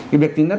cái việc chính là